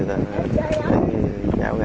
tháo từ khớp